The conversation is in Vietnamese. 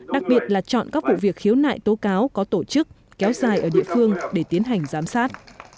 đặc biệt là chọn các vụ việc khiếu nại tố cáo có tổ chức kéo dài ở địa phương để tiến hành giám sát